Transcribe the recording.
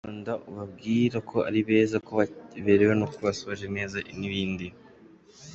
Bakunda ubabwira ko ari beza, ko baberewe, ko basokoje neza n'ibindi.